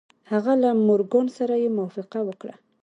هغه له مورګان سره يې موافقه وکړه.